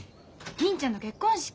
銀ちゃんの結婚式。